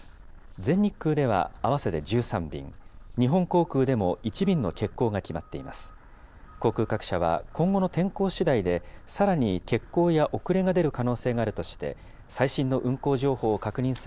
全日空では合わせて１３便、日本航空でも１便の欠航が決まっています。